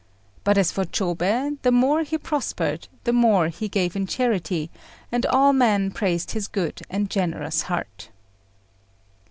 But as for Chôbei, the more he prospered, the more he gave in charity, and all men praised his good and generous heart.